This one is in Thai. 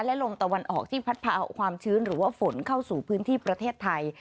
และลมตะวันออกที่พัดพาเอาความชื้นหรือว่าฝนเข้าสู่พื้นที่ประเทศไทย